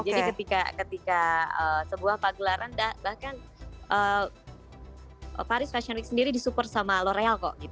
jadi ketika sebuah pagelaran bahkan paris fashion week sendiri di support sama l'oreal kok